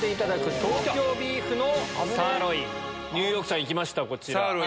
ニューヨークさん行きました。